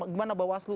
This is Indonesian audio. gimana bapak waslu